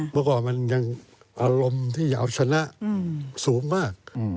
เมื่อก่อนมันยังอารมณ์ที่จะเอาชนะสูงมาก